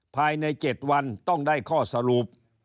ภายใน๗วันต้องได้ข้อสรุป